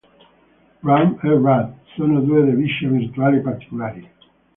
Ram: e Rad: sono due device virtuali particolari.